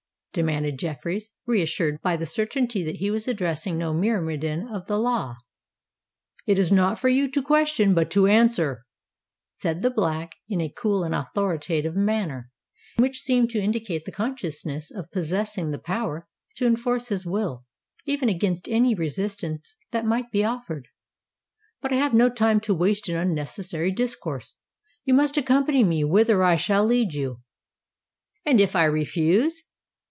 demanded Jeffreys, reassured by the certainty that he was addressing no myrmidon of the law. "It is not for you to question, but to answer," said the Black in a cool and authoritative manner which seemed to indicate the consciousness of possessing the power to enforce his will, even against any resistance that might be offered. "But I have no time to waste in unnecessary discourse. You must accompany me whither I shall lead you." "And if I refuse?"